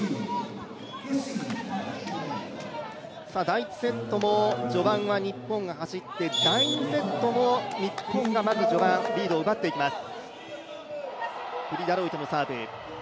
第１セットも序盤は日本が走って、第２セットも日本がまず序盤、リードを奪っていきます。